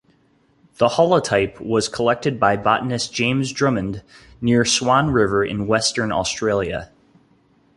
The holotype was collected by botanist James Drummond near Swan River in Western Australia.